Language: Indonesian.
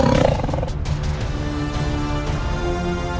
kenapa saya tak tahu